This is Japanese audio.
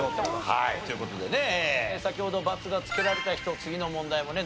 という事でね先ほどバツがつけられた人次の問題もね